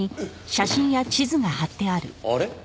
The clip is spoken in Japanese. あれ？